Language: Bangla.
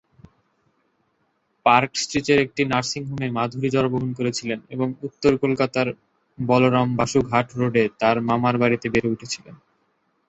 পার্ক স্ট্রিটের একটি নার্সিং হোমে মাধুরী জন্মগ্রহণ করেছিলেন এবং উত্তর কলকাতার বলরাম বসু ঘাট রোডে তাঁর মামার বাড়িতে বেড়ে উঠেছিলেন।